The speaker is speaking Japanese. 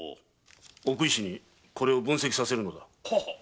奥医師にこれを分析させるのだ。